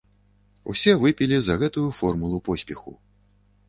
Усе выпілі за гэтую формулу поспеху.